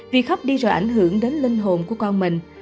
vì khắp đi rồi ảnh hưởng đến linh hồn của con mình